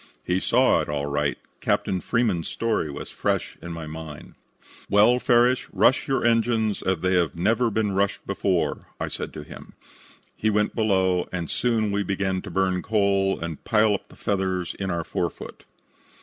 He saw it all right. Captain Freeman's story was fresh in my mind. "'Well, Farrish, rush your engines as they have never been rushed before,' I said to him. He went below, and soon we began to burn coal and pile up the feathers in our forefoot.